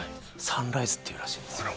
サンライズって言うらしいんですよ